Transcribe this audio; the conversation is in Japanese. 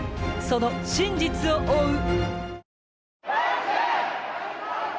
その真実を追う！